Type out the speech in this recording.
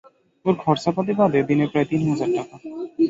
ওর খরচা-পাতি বাদে, দিনে প্রায় তিন হাজার টাকা।